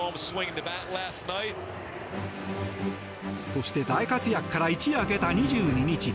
そして大活躍から一夜明けた２２日。